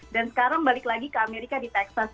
dan sekarang balik lagi ke amerika di texas